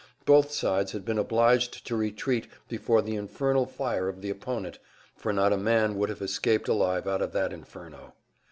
Both sides had been obliged to retreat before the infernal fire of the opponent, for not a man would have escaped alive out of that inferno.